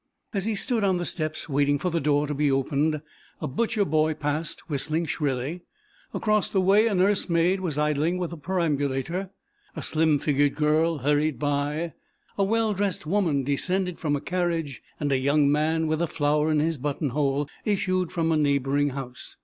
As he stood on the steps waiting for the door to be opened, a butcher boy passed, whistling shrilly. Across the way a nurse maid was idling with a perambulator, a slim figured girl hurried by, a well dressed woman descended from a carriage and a young man with a flower in his button hole issued from a neighboring house.